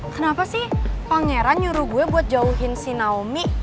kenapa sih pangeran nyuruh gue buat jauhin si naomi